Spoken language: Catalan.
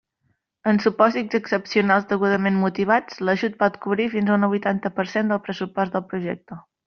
En supòsits excepcionals degudament motivats, l'ajut pot cobrir fins a un vuitanta per cent del pressupost del projecte.